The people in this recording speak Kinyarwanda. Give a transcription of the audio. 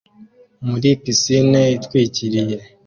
muri pisine itwikiriye